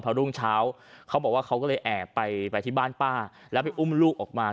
พอรุ่งเช้าเขาบอกว่าเขาก็เลยแอบไปที่บ้านป้าแล้วไปอุ้มลูกออกมา